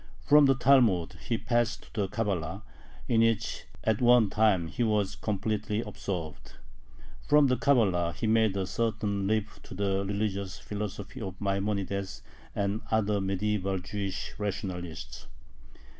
From the Talmud he passed to the Cabala, in which at one time he was completely absorbed. From the Cabala he made a sudden leap to the religious philosophy of Maimonides and other medieval Jewish rationalists.